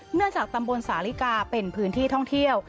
เนื่องจากตำบลสาลิกาเป็นพื้นที่ท่องเที่ยว